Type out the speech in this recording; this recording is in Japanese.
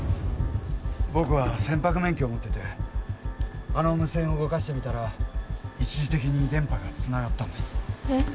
僕は船舶免許を持っていてあの無線を動かしてみたら一時的に電波がつながったんですえっ？